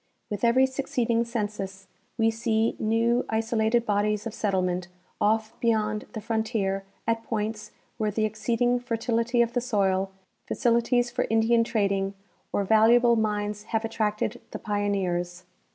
With every succeed ing census we see new isolated bodies of settlement ofi" beyond the frontier at points where the exceeding fertility of the soil, facili ties for Indian trading, or valuable mines have attracted the 26 Henry Gannett — Movements of our Population. pioneers.